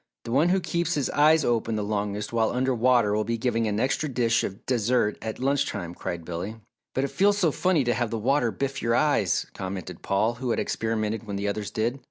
"The one who keeps his eyes open the longest while under water will be given an extra dish of dessert at lunch time," cried Billy. "But it feels so funny to have the water biff your eyes," commented Paul, who had experimented when the others did.